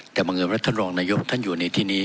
แต่บังเอิญว่าท่านรองนายกท่านอยู่ในที่นี้